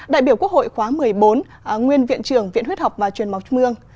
đại biểu quốc hội khóa một mươi bốn nguyên viện trưởng viện huyết học và truyền mọc mương